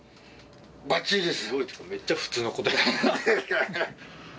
ばっちりです。